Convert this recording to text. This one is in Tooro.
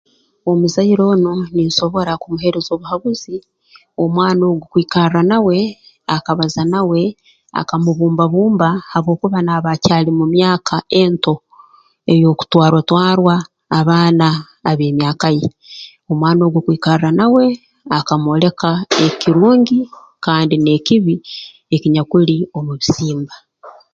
Omuzaire onu ninsobora kumuheereza obuhabuzi omwana ogu kwikarra nawe akabaza nawe akamubumba bumba habwokuba naaba akyali mu myaka ento ey'okutwarwa twarwa abaana ab'emyaka ye omwana ogu kwikarra nawe akamwoleka ekirungi kandi n'ekibi ekinyakuli omu bisimba